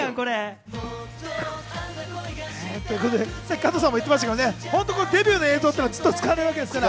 加藤さんもさっき言ってましたけど、デビューの映像はずっと使われるわけですから。